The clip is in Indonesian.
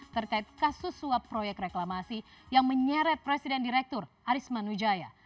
terkait kasus suap proyek reklamasi yang menyeret presiden direktur arisman wijaya